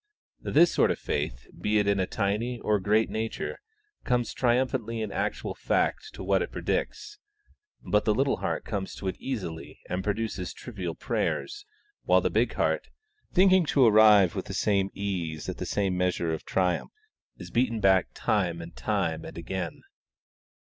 This sort of faith, be it in a tiny or great nature, comes triumphantly in actual fact to what it predicts; but the little heart comes to it easily and produces trivial prayers, while the big heart, thinking to arrive with the same ease at the same measure of triumph, is beaten back time and time and again.